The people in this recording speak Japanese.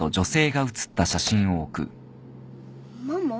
ママ？